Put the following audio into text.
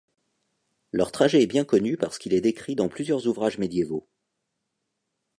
Leur trajet est bien connu parce qu'il est décrit dans plusieurs ouvrages médiévaux.